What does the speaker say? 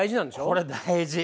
これ大事！